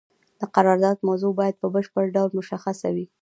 د قرارداد موضوع باید په بشپړ ډول مشخصه وي.